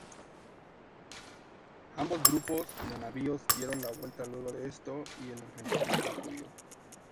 Ambos grupos de navíos dieron la vuelta luego de esto y el enfrentamiento concluyó.